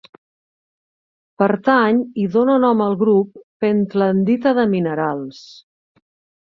Pertany i dóna nom al grup pentlandita de minerals.